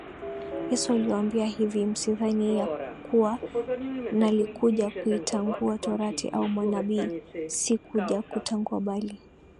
Yesu aliwaambia hivi Msidhani ya kuwa nalikuja kuitangua torati au manabii sikuja kutangua bali